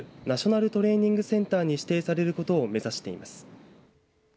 ナショナルトレーニングセンターに指定されることを目指しています。